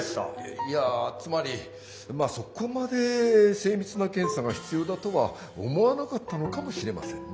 いやつまりまあそこまで精密な検査が必要だとは思わなかったのかもしれませんね。